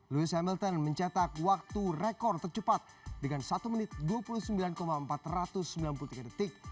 louis hamilton mencetak waktu rekor tercepat dengan satu menit dua puluh sembilan empat ratus sembilan puluh tiga detik